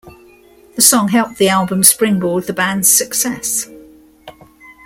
The song helped the album springboard the band's success.